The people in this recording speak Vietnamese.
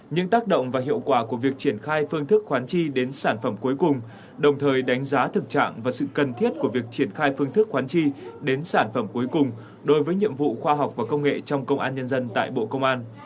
những tác động và hiệu quả của việc triển khai phương thức khoán chi đến sản phẩm cuối cùng đồng thời đánh giá thực trạng và sự cần thiết của việc triển khai phương thức khoán chi đến sản phẩm cuối cùng đối với nhiệm vụ khoa học và công nghệ trong công an nhân dân tại bộ công an